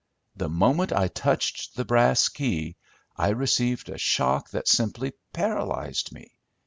The moment I touched the brass key I received a shock that simply paralyzed me.